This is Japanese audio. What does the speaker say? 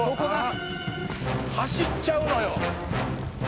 「走っちゃうのよ！」